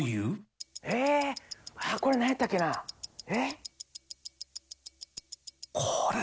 これ何やったっけなえっ？